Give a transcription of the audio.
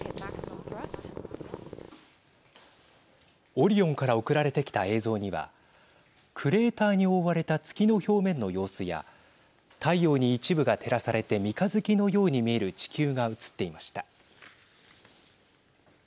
オリオンから送られてきた映像にはクレーターに覆われた月の表面の様子や太陽に一部が照らされて三日月のように見える地球が映っていました。